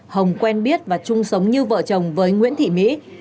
hồng quen biết và chung sống như vợ chồng với nguyễn thị mỹ